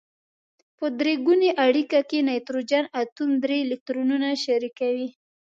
په درې ګونې اړیکه کې نایتروجن اتوم درې الکترونونه شریکوي.